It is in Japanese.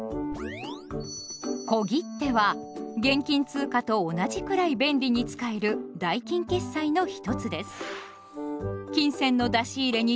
「小切手」は現金通貨と同じくらい便利に使える代金決済の一つです。